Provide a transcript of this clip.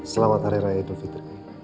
selamat hari raya dufi tergai